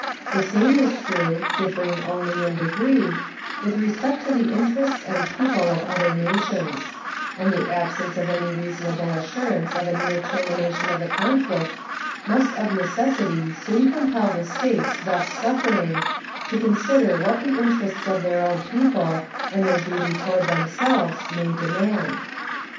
The same is true, differing only in degree, with respect to the interests and people of other nations; and the absence of any reasonable assurance of a near termination of the conflict must of necessity soon compel the States thus suffering to consider what the interests of their own people and their duty toward themselves may demand.